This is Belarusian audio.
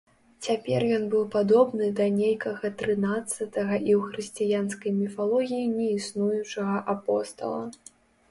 Цяпер ён быў падобны да нейкага трынаццатага і ў хрысціянскай міфалогіі неіснуючага апостала.